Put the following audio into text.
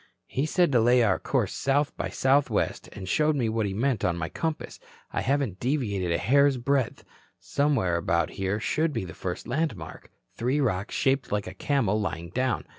"He said to lay our course south by south west and showed me what he meant on my compass. I haven't deviated a hair's breadth. Somewhere about here should be the first landmark three rocks shaped like a camel lying down.